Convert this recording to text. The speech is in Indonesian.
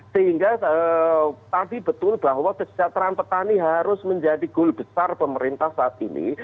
sehingga tadi betul bahwa kesejahteraan petani harus menjadi goal besar pemerintah saat ini